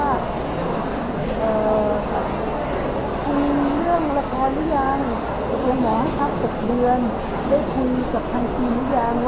อย่างเวลาที่เราบอกว่าหรือว่าอาจารย์ลองดูว่าใครจะมาช่วยที่พวกกำจัดแผนบ้าง